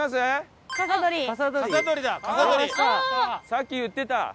さっき言ってた。